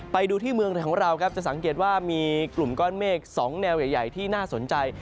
ไปดูที่เมืองไทยของเราครับจะสังเกตว่ามีกลุ่มก้อนเมฆ๒แนวใหญ่ที่น่าสนใจ